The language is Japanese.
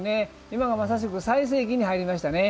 今はまさしく最盛期に入りましたね。